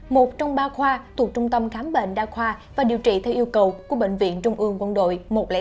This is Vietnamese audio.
một trong ba khoa thuộc trung tâm khám bệnh đa khoa và điều trị theo yêu cầu của bệnh viện trung ương quân đội một trăm linh tám